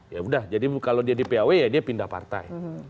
ya udah jadi kalau dia di paw ya dia pindah partai